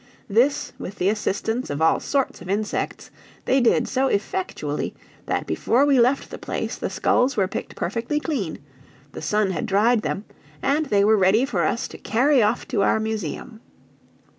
This, with the assistance of all sorts of insects, they did so effectually that before we left the place the skulls were picked perfectly clean, the sun had dried them, and they were ready for us to carry off to our museum.